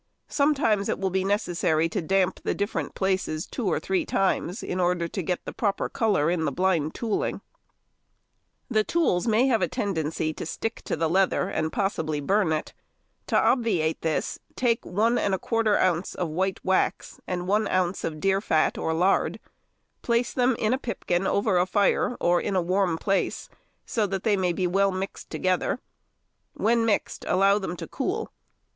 Sometimes it will be necessary to damp the different places two or three times in order to get the proper colour in the blind tooling. The tools may have a tendency to stick to the leather and possibly burn it. To obviate this, take 1 1/4 oz. of white wax and 1 oz. of deer fat or lard, place them in a pipkin over a fire or in a warm place, so that they may be well mixed together; when mixed allow them to cool.